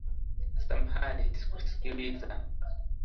Samahani, sikusikiliza.